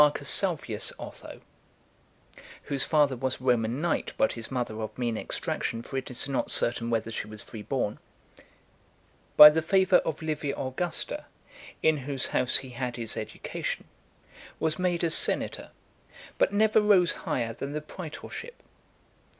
Salvius Otho (whose father was a Roman knight, but his mother of mean extraction, for it is not certain whether she was free born), by the favour of Livia Augusta, in whose house he had his education, was made a senator, but never rose higher than the praetorship.